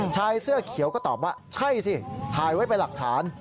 ชายเสื้อเขียวก็ตอบว่าใช่สิถ่ายไว้เป็นหลักฐาน